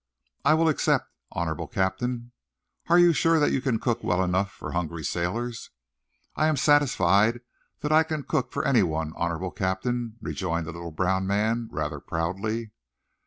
"I will accept, honorable Captain." "Are you sure that you can cook well enough for hungry sailors?" "I am satisfied that I can cook for anyone, honorable Captain," rejoined the little brown man, rather proudly.